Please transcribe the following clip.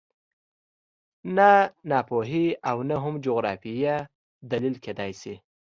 نه ناپوهي او نه هم جغرافیه دلیل کېدای شي